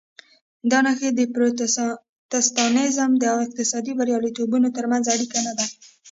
دا نښې د پروتستانېزم او اقتصادي بریالیتوبونو ترمنځ اړیکه نه ده.